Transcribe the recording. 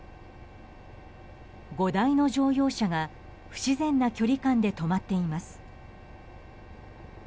５台の乗用車が不自然な距離感で止まっています。